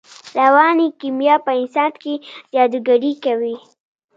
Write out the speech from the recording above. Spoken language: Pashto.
رواني کیمیا په انسان کې جادوګري کوي